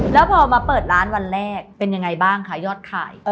แล้วพอมาเปิดร้านวันแรกเป็นยังไงบ้างคะยอดขาย